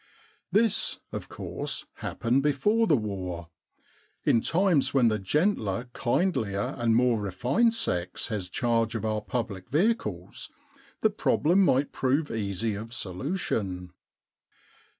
This, of course, happened before the war. In times when the gentler, kindlier, and 198 The Threepenny Problem more refined sex has charge of our public vehicles, the problem might prove easy of solution.